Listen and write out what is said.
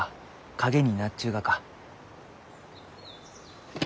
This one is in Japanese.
陰になっちゅうがか。